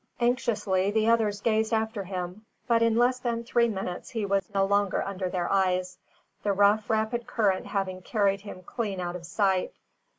Anxiously the others gazed after him; but in less than three minutes, he was no longer under their eyes, the rough rapid current having carried him clean out of sight.